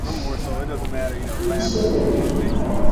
Wewe ni msanii hodari